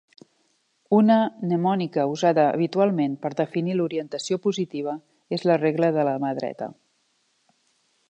Una mnemònica usada habitualment per definir l'orientació positiva és la "regla de la mà dreta.